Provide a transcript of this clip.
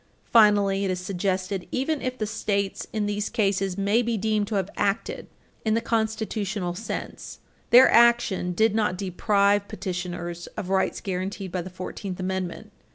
Finally, it is suggested, even if the States in these cases may be deemed to have acted in the constitutional sense, their action did not deprive petitioners of rights guaranteed by the Fourteenth Amendment.